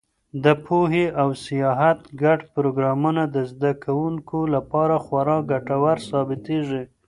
د پوهنې او سیاحت ګډ پروګرامونه د زده کوونکو لپاره خورا ګټور ثابتېږي.